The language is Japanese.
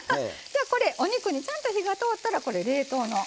じゃあこれお肉にちゃんと火が通ったらこれ冷凍の。